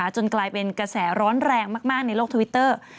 จนกลายเป็นกระแสร้อนแรงมากในโลกทวิตเตอร์